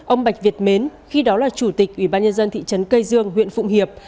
ông bạch việt mến khi đó là chủ tịch ủy ban nhân dân thị trấn cây dương huyện phụng hiệp